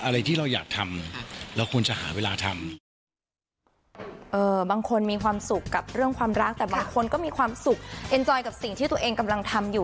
อะไรที่เราอยากทำเราควรจะหาเวลาทำอยู่